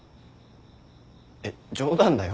えっ冗談だよ？